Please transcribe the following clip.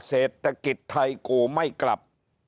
เศรษฐกิจไทยกูไม่กลับ